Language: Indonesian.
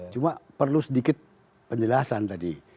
cuma perlu sedikit penjelasan tadi